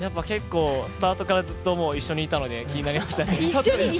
スタートからずっと一緒にいたので、結構気になりましたね。